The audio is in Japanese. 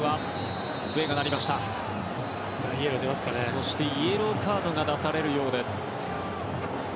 そしてイエローカードが出されるようです。